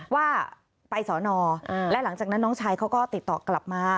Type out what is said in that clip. ว่าไปสอนอและหลังจากนั้นน้องชายเขาก็ติดต่อกลับมา